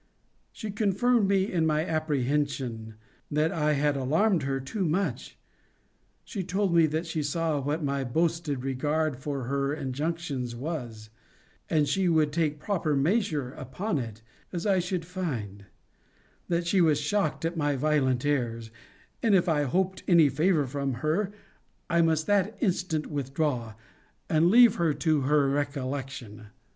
She confirmed me in my apprehension, that I had alarmed her too much: she told me, that she saw what my boasted regard to her injunctions was; and she would take proper measures upon it, as I should find: that she was shocked at my violent airs; and if I hoped any favour from her, I must that instant withdraw, and leave her to her recollection.